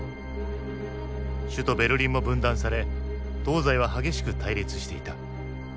首都ベルリンも分断され東西は激しく対立していた。